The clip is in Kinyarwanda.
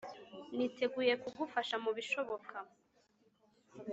niteguye kugufasha mubishoboka